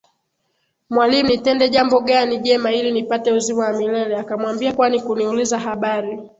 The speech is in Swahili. Mwalimu nitende jambo gani jema ili nipate uzima wa milele akamwambia Kwani kuniuliza habari